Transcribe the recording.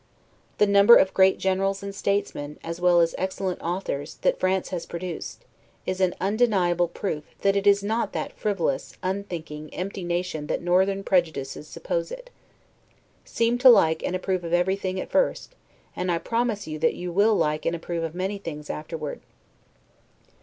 The number of great generals and statesmen, as well as excellent authors, that France has produced, is an undeniable proof, that it is not that frivolous, unthinking, empty nation that northern prejudices suppose it. Seem to like and approve of everything at first, and I promise you that you will like and approve of many things afterward.